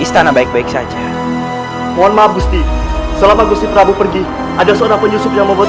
istana baik baik saja mohon maaf gusti selama gusti prabu pergi ada seorang penyusup yang membuat